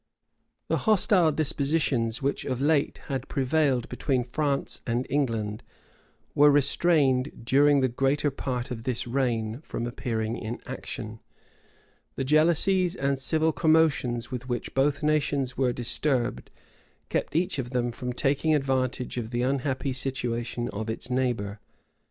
The hostile dispositions which of late had prevailed between France and England, were restrained, during the greater part of this reign, from appearing in action. The jealousies and civil commotions with which both nations were disturbed, kept each of them from taking advantage of the unhappy situation of its neighbor.